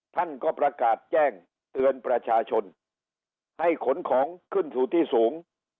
ท่านก็ประกาศแจ้งเตือนประชาชนให้ขนของขึ้นสู่ที่สูง